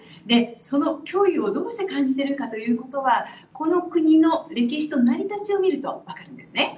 その脅威をどうして感じているかということは歴史と成り立ちを見ると分かるんですね。